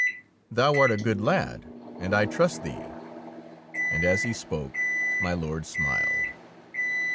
''Thou art a good lad, and I trust thee"; and as he spoke, my Lord smiled.